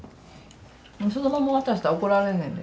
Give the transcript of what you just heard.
そのまま渡したら怒られんねんで。